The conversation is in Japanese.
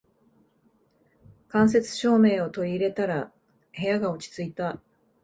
間接照明を取り入れたら部屋が落ち着いた